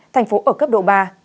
tp hcm ở cấp độ ba